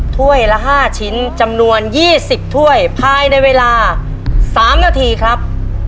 ถ้วยละ๕ชิ้นจำนวน๒๐ถ้วยภายในเวลา๓นาทีครับ